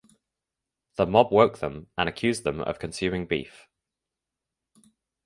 The mob woke them and accused them of consuming beef.